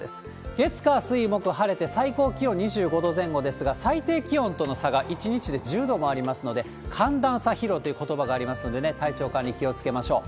月、火、水、木、晴れて、最高気温２５度前後ですが、最低気温との差が１日で１０度もありますので、寒暖差疲労ということばがありますんでね、体調管理、気をつけましょう。